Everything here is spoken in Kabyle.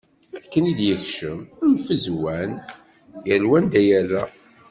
Akken i d-yekcem, mfezwan. Yal wa anda yerra.